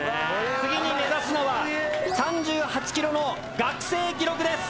次に目指すのは３８ｋｍの学生記録です。